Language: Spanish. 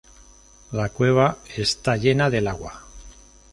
La cueva está llena del agua.